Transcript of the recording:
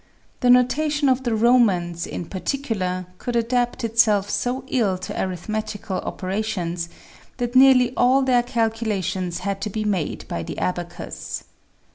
The notation of the Ro mans, in particular, could adapt itself so ill to arithmetical operations, that nearly all their calculations had to be made by the abacus.